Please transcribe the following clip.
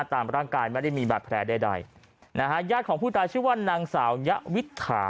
ตามร่างกายไม่ได้มีบาดแผลใดใดนะฮะญาติของผู้ตายชื่อว่านางสาวยะวิถา